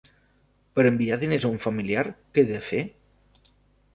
Per enviar diners a un familiar, què he de fer?